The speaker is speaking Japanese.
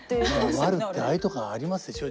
まあワルってああいうとこがありますでしょ。